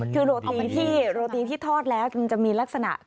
คือโรตีที่ทอดแล้วมันจะมีลักษณะ